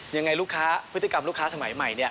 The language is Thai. ยังไงลูกค้าพฤติกรรมลูกค้าสมัยใหม่เนี่ย